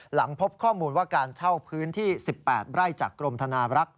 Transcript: หลังพบข้อมูลว่าการเช่าพื้นที่๑๘ไร่จากกรมธนาบรักษ์